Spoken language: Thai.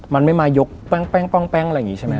มันไม่มายกแป๊งแป๊งแป๊งแป๊งอะไรอย่างเงี้ยใช่มั้ย